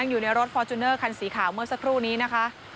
อยู่ในรถฟอร์จูเนอร์คันสีขาวเมื่อสักครู่นี้นะคะ